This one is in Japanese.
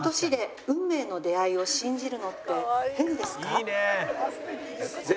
「いいね！」